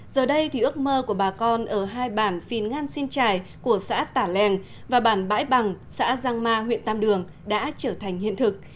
giờ đây thì ước mơ của bà con ở hai bản phìn ngan xin trải của xã tả lèng và bản bãi bằng xã giang ma huyện tam đường đã trở thành hiện thực